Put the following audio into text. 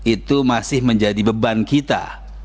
itu masih menjadi beban kita